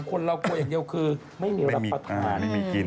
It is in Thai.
คนเรากลัวอย่างเดียวคือไม่มีรับประทานไม่มีกิน